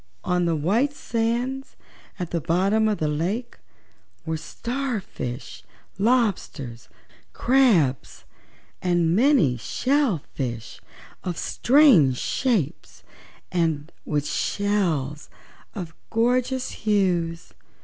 On the white sands at the bottom of the lake were star fish, lobsters, crabs and many shell fish of strange shapes and with shells of gorgeous hues.